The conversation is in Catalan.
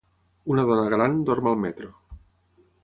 Una dona gran dorm al metro.